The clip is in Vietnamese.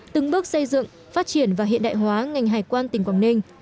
từng bước xây dựng phát triển và hiện đại hóa ngành hải quan tỉnh quảng ninh